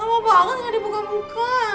lama banget gak dibuka buka